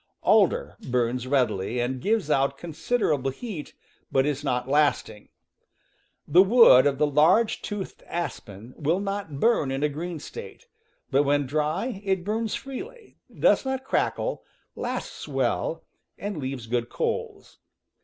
Alder burns readily and gives out considerable heat, but is not lasting. The wood of the large toothed aspen will not burn in a green state, but when dry it burns freely, does not crackle, lasts well, and leaves good coals.